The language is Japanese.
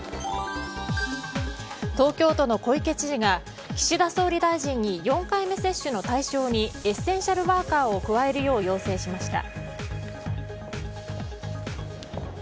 東京都の小池知事が岸田総理大臣に４回目接種の対象にエッセンシャルワーカーを加えるよう要請しました。